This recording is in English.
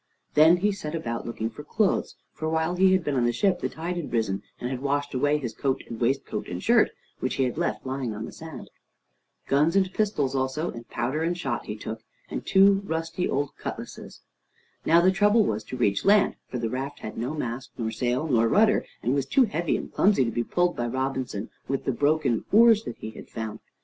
Then he set about looking for clothes, for while he had been on the ship, the tide had risen and had washed away his coat and waistcoat and shirt, which he had left lying on the sand. Guns and pistols also, and powder and shot, he took, and two rusty old cutlasses. Now the trouble was to reach land, for the raft had no mast nor sail nor rudder, and was too heavy and clumsy to be pulled by Robinson with the broken oars that he had found.